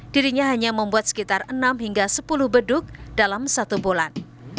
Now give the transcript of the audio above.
dirinya hanya membuat sekitar enam hingga sepuluh beduk dalam satu bulan